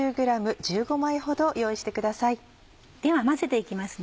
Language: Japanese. では混ぜて行きますね。